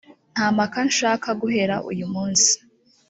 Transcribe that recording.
nta mpaka shaka guhera uyu munsi